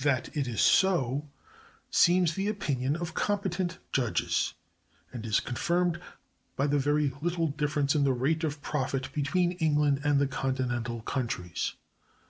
That it is so seems the opinion of competent judges, and is confirmed by the very little difference in the rate of profit between England and the Continental countries.